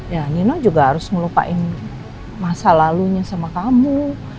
ya nino juga harus melupain masa lalunya sama kamu